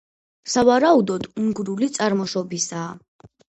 სავარაუდოდ უნგრული წარმოშობისაა.